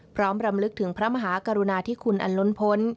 พร้อมรำลึกถึงพระมหากรุณาทิคุณอัลล้นพล